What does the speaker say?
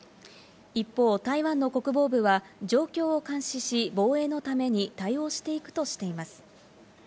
一方、台湾の国防部は状況を監視し、防衛のために対応していくとしています。